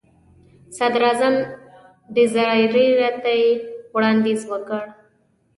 صدراعظم ډیزراییلي ته یې وړاندیز وکړ.